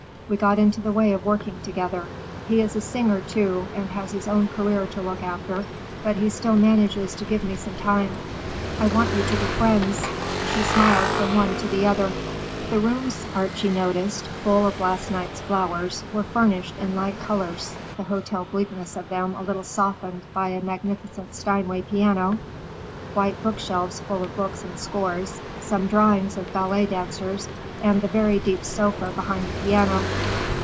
We got into the way of working together. He is a singer, too, and has his own career to look after, but he still manages to give me some time. I want you to be friends." She smiled from one to the other. The rooms, Archie noticed, full of last night's flowers, were furnished in light colors, the hotel bleakness of them a little softened by a magnificent Steinway piano, white bookshelves full of books and scores, some drawings of ballet dancers, and the very deep sofa behind the piano.